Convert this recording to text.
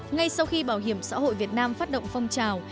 ngay sau khi bảo hiểm xã hội việt nam phát động phong trào